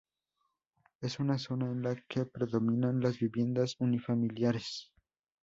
Es una zona en la que predominan las viviendas unifamiliares.